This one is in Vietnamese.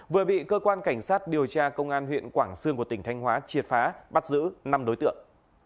vừa bị cơ quan cảnh sát điều tra công an huyện quảng sương của tỉnh thanh hóa triệt phá bắt giữ năm đối tượng